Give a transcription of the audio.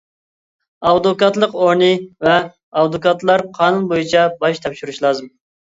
ئادۋوكاتلىق ئورنى ۋە ئادۋوكاتلار قانۇن بويىچە باج تاپشۇرۇشى لازىم.